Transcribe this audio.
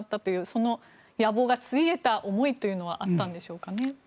その野望がついえた思いというのはあったんでしょうかね。